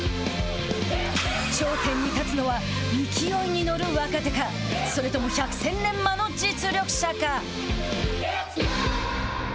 頂点に立つのは勢いに乗る若手かそれとも百戦錬磨の実力者か。